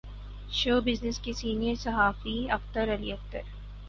شو business کے senior صحافی اختر علی اختر